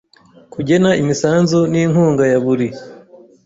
kugena imisanzu n inkunga ya buri